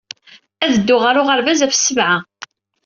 Ad dduɣ ɣer uɣerbaz ɣef ssebɛa.